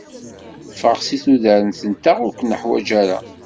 Ffeɣ si tudert-nteɣ, ur k-nuḥwaǧ ara.